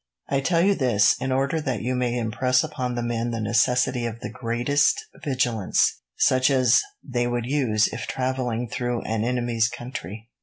"I tell you this, in order that you may impress upon the men the necessity for the greatest vigilance, such as they would use if travelling through an enemy's country.